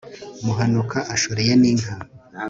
muhanuka ashoreyen inka